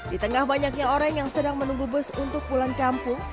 di tengah banyaknya orang yang sedang menunggu bus untuk pulang kampung